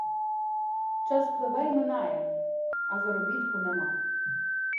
Час пливе й минає, а заробітку нема.